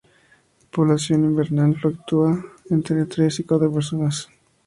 La población invernal fluctúa entre tres y cuatro personas.